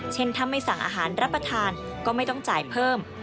เช่นถ้าไม่สั่งอาหารรับประทานก็ไม่ต้องจ่ายเพิ่ม